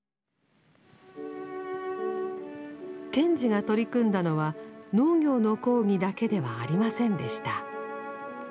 賢治が取り組んだのは農業の講義だけではありませんでした。